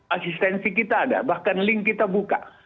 asistensi kita ada bahkan link kita buka